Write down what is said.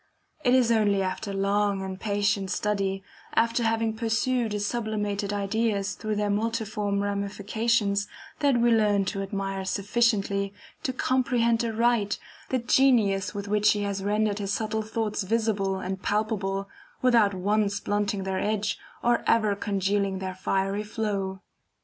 It is only after long and patient study, after having pursued his sublimated ideas through their multiform ramifications, that we learn to admire sufficiently, to comprehend aright, the genius with which he has rendered his subtle thoughts visible and palpable, without once blunting their edge, or ever congealing their fiery flow.